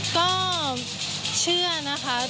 ก็เชื่อนะคะ